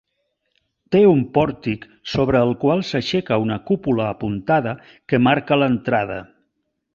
Té un pòrtic sobre el qual s'aixeca una cúpula apuntada que marca l'entrada.